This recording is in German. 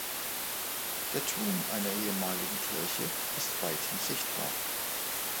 Der Turm einer ehemaligen Kirche ist weithin sichtbar.